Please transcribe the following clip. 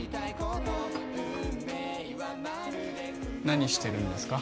何してるんですか？